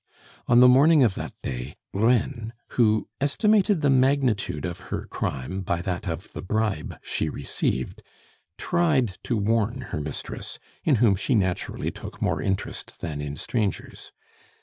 On the morning of that day, Reine, who estimated the magnitude of her crime by that of the bribe she received, tried to warn her mistress, in whom she naturally took more interest than in strangers.